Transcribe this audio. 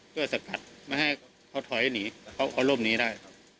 ด้วยสะกัดมาให้เขาถอยให้หนีเขารบงี้ได้